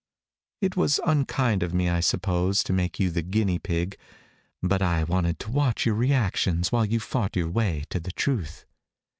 "It was unkind of me, I suppose, to make you the guinea pig. But I wanted to watch your reactions while you fought your way to the truth.